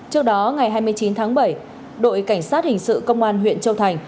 trước đó ngày hai mươi chín tháng bảy đội cảnh sát hình sự công an huyện châu thành